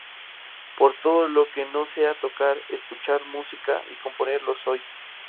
Para todo lo que no sea tocar, escuchar música y componer, lo soy".